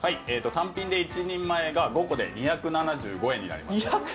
単品で１人前が５個で２７５円です。